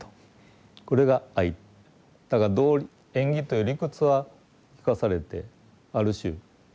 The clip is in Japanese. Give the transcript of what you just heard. だから縁起という理屈は聞かされてある種あ